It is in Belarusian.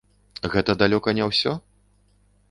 Гэта далёка не ўсё?